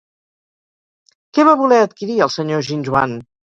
Què va voler adquirir, el senyor Ginjoan?